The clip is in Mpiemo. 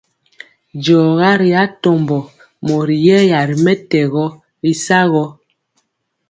Diɔga ri atombo mori yɛya ri mɛtɛgɔ y sagɔ.